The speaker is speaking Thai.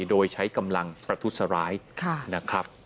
โดยใช้กำลังประทุษร้ายนะครับ